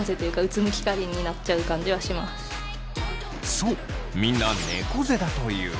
そうみんなねこ背だという。